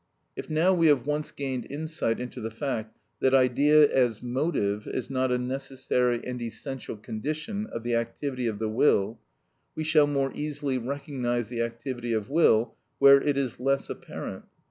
If now we have once gained insight into the fact, that idea as motive is not a necessary and essential condition of the activity of the will, we shall more easily recognise the activity of will where it is less apparent.